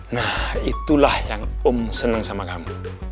nah itulah yang om senang sama kamu